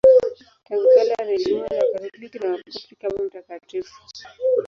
Tangu kale anaheshimiwa na Wakatoliki na Wakopti kama mtakatifu.